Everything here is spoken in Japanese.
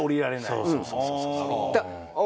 そうそうそうそう。